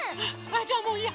じゃあもういいや！